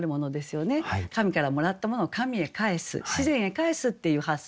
神からもらったものを神へ還す自然へ還すっていう発想。